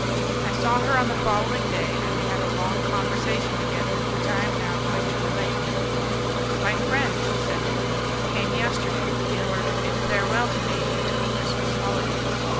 I saw her on the following day, and we, had a long conversation together, which I am now going to relate. "My friend," she said to me, "came yesterday in order to bid farewell to me until the Christmas holidays.